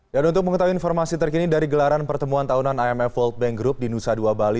dan untuk mengetahui informasi terkini dari gelaran pertemuan tahunan imf dan world bank group di nusa dua bali